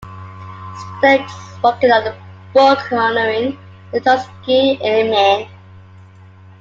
Stokes is working on a book honoring the Tuskegee Airmen.